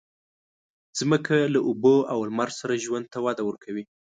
مځکه له اوبو او لمر سره ژوند ته وده ورکوي.